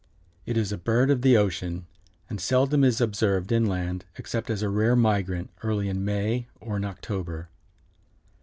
It is a bird of the ocean, and seldom is observed inland except as a rare migrant early in May or in October.